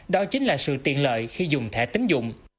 đó chính là sự tiện lợi khi dùng thẻ tính dụng